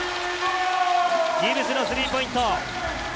ギブスのスリーポイント。